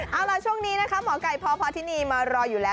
เอาล่ะช่วงนี้นะคะหมอไก่พพาธินีมารออยู่แล้ว